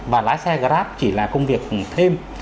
và lái xe grab chỉ là công việc thêm